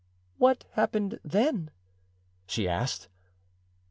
"What happened then?" she asked.